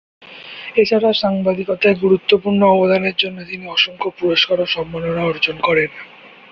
এছাড়া সাংবাদিকতায় গুরুত্বপূর্ণ অবদানের জন্য তিনি অসংখ্য পুরস্কার ও সম্মাননা অর্জন করেন।